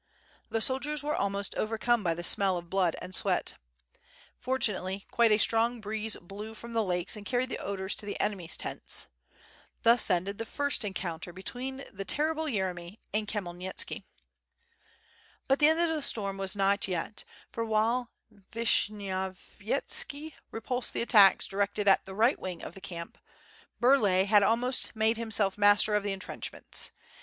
The soldiers were almost overcome by the smell of blood and sweat. Fortunately quite a strong breeze blew from the lakes and carried the odors to the enemy's tents. Thus ended the first encounter between the terrible Yere my and Khrayelnitski. But the end of the storm was not yet, for while Vishny ovyetski repulsed the attacks directed against the right wing of the camp, Burlay had almost made himself master of the entrenchments.